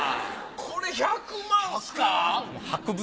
これ１００万っすか？